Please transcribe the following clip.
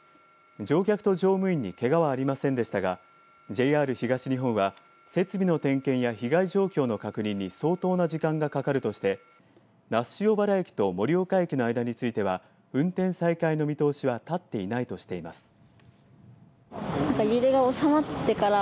乗客と乗務員にけがはありませんでしたがＪＲ東日本は設備の点検や被害状況の確認に相当な時間がかかるとして那須塩原駅と盛岡駅の間については運転再開の見通しは立っていないとしています。